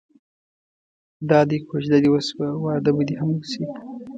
دادی کوژده دې وشوه واده به دې هم وشي.